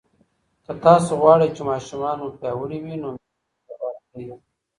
که تاسو غواړئ چې ماشومان مو پیاوړي وي، نو مېوې ورکړئ.